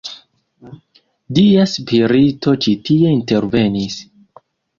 Dia spirito ĉi tie intervenis.